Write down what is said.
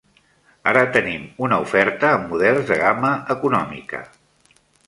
Ara, tenim una oferta amb models de gamma econòmica.